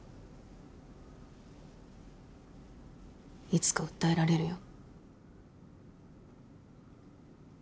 いつか訴えられるよ。